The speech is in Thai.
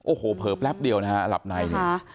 โอ้โหเผลอแป๊บเดียวนะฮะหลับในเนี่ย